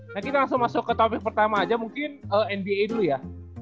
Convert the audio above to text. nah kita langsung masuk ke tahap pertama aja mungkin nba dulu ya